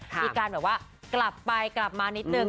มีการแบบว่ากลับไปกลับมานิดนึง